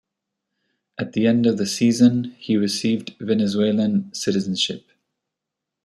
At the end of the season, he received Venezuelan citizenship.